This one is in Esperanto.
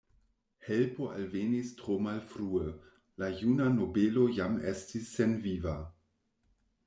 Helpo alvenis tro malfrue; la juna nobelo jam estis senviva.